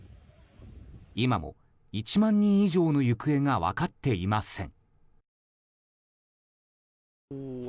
今も１万人以上の行方が分かっていません。